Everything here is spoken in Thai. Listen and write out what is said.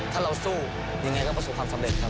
ถ้าเราสู้ยังไงก็ประสบความสำเร็จครับ